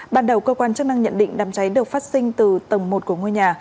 ban đầu cơ quan chức năng nhận định đám cháy được phát sinh từ tầng một của ngôi nhà